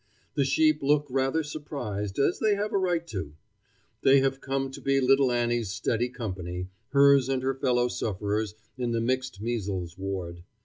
The sheep look rather surprised, as they have a right to. They have come to be little Annie's steady company, hers and her fellow sufferers' in the mixed measles ward.